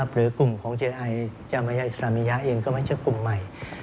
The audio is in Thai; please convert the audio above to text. หรือกลุ่มของเจนไอจามายาอิสรามียะเองก็ไม่ใช่กลุ่มใหม่